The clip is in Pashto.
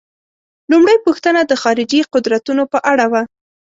لومړۍ پوښتنه د خارجي قدرتونو په اړه وه.